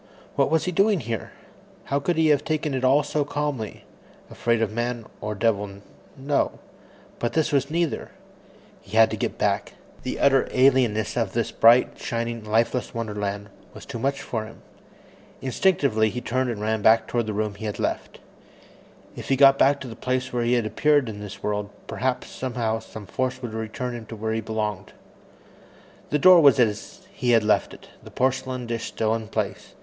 What was he doing here? How could he have taken it all so calmly. Afraid of man or devil, no but this was neither. He had to get back. The utter alienness of this bright, shining, lifeless wonderland was too much for him. Instinctively, he turned and ran back toward the room he had left. If he got back to the place where he had appeared in this world, perhaps somehow some force would return him to where he belonged. The door was as he had left it, the porcelain dish still in place.